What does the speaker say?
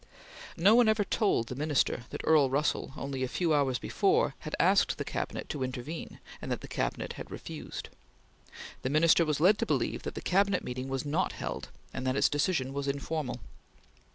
No one ever told the Minister that Earl Russell, only a few hours before, had asked the Cabinet to intervene, and that the Cabinet had refused. The Minister was led to believe that the Cabinet meeting was not held, and that its decision was informal.